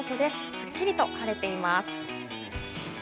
すっきりと晴れています。